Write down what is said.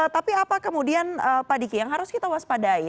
tapi apa kemudian pak diki yang harus kita waspadai